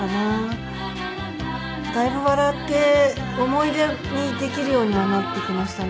思い出にできるようにはなってきましたね。